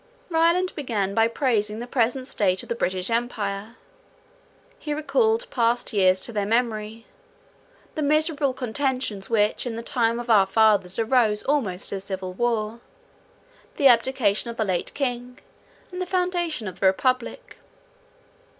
Ryland began by praising the present state of the British empire. He recalled past years to their memory; the miserable contentions which in the time of our fathers arose almost to civil war, the abdication of the late king, and the foundation of the republic.